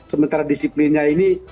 sementara disiplinnya ini